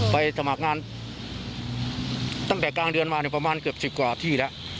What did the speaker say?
สมัครงานตั้งแต่กลางเดือนมาเนี่ยประมาณเกือบ๑๐กว่าที่แล้ว